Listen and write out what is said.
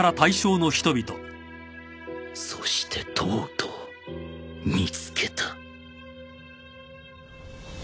［そしてとうとう見つけた］